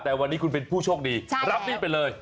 แต่วันนี้คุณเป็นผู้โชคดีรับหนี้ไปเลย